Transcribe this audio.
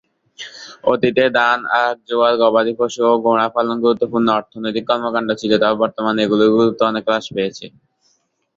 অতীতে ধান, আখ, জোয়ার, গবাদি পশু ও ঘোড়া পালন গুরুত্বপূর্ণ অর্থনৈতিক কর্মকাণ্ড ছিল, তবে বর্তমানে এগুলির গুরুত্ব অনেক হ্রাস পেয়েছে।